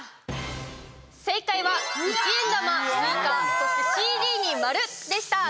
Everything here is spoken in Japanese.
正解は一円玉、スイカそしてＣＤに丸でした。